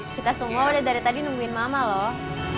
kita semua udah dari tadi nungguin mama loh